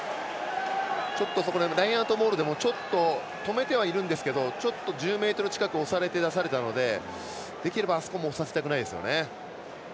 ラインアウトモールでも止めてはいるんですけど１０ｍ近く押されて出されたのでできれば押させたくないですよね。